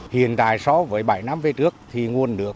hiện tại so với bảy năm về trước thì nguồn nước